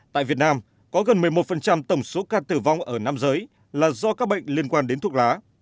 tại việt nam có gần một mươi một tổng số ca tử vong ở nam giới là do các bệnh liên quan đến thuốc lá